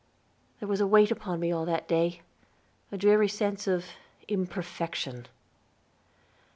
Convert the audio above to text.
There was a weight upon me all that day, a dreary sense of imperfection.